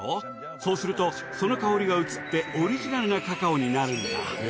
そうするとその香りが移ってオリジナルなカカオになるんだ。